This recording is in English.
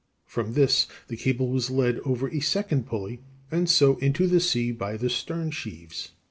From this the cable was led over a second pulley, and so into the sea by the stern sheaves."